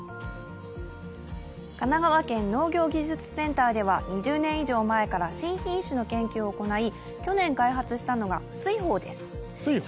神奈川県農業技術センターでは２０年以上前から新品種の研究を行い、去年開発したのが、翠豊です。